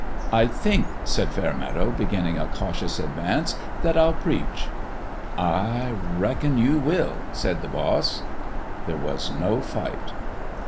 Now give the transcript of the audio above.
"I think," said Fairmeadow, beginning a cautious advance, " that I'll preach." " I reckon you will," said the boss. There was no fight.